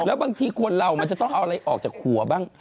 แล้วบางทีคนเรามันจะต้องเอาอะไรออกจากหัวบ้าง